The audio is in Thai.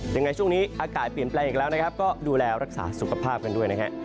ยังไงช่วงนี้อากาศเปลี่ยนแปลงอีกแล้วนะครับก็ดูแลรักษาสุขภาพกันด้วยนะฮะ